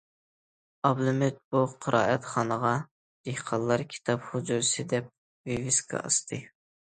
ئابلىمىت بۇ قىرائەتخانىغا‹‹ دېھقانلار كىتاب ھۇجرىسى›› دەپ ۋىۋىسكا ئاستى.